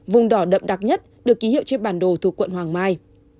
vùng đỏ đậm đặc nhất được ký hiệu trên bản đồ thuộc quận hoàng mai